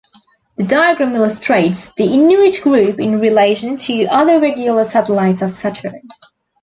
The diagram illustrates the Inuit group in relation to other irregular satellites of Saturn.